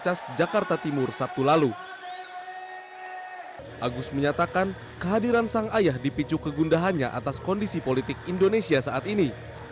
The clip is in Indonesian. agus menyatakan kehadiran sang ayah dipicu kegundahannya atas kondisi politik indonesia saat ini